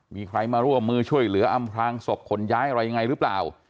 มีใครมาร่วมมือช่วยเหลืออำพลางศพขนย้ายอะไรยังไงหรือเปล่า